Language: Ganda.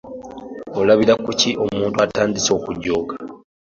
Olabira kuki omuntu atandise okujooga?